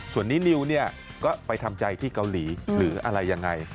ส่วนนี้นิวเนี่ยก็ไปทำใจที่เกาหลีหรืออะไรยังไง